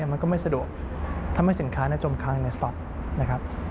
มันก็ไม่สะดวกทำให้สินค้าจมค้างในสต๊อกนะครับ